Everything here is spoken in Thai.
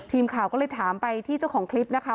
ทีมข่าวก็เลยถามไปที่เจ้าของคลิปนะคะ